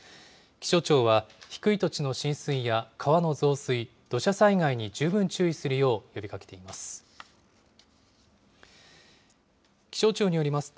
気象庁は、低い土地の浸水や川の増水、土砂災害に十分注意するよう呼びかけています。